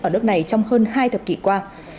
ở nước này trong hơn hai thập kỷ qua